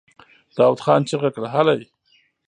داوود خان چيغه کړه! هلئ!